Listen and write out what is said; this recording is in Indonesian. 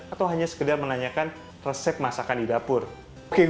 atau hanya sekedar menanyakan apa yang anda inginkan